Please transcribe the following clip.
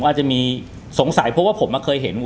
อาจจะมีสงสัยเพราะว่าผมเคยเห็นงู